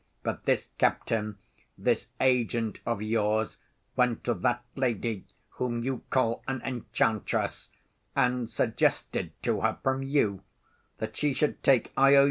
But this captain, this agent of yours, went to that lady whom you call an enchantress, and suggested to her from you, that she should take I.O.U.